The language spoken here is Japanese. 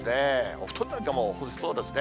お布団なんかも干せそうですね。